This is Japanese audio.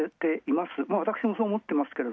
私もそう思ってますが。